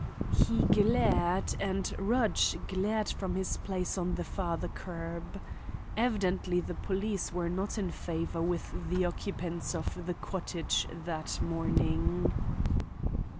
He glared and Rudge glared from his place on the farther curb. Evidently the police were not in favor with the occupants of the cottage that morning.